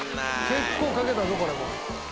結構かけたぞこれも。